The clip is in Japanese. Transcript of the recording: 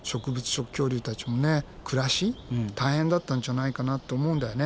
食恐竜たちのね暮らし大変だったんじゃないかなと思うんだよね。